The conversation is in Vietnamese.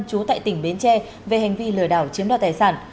chú tại tỉnh bến tre về hành vi lừa đảo chiếm đạt tài sản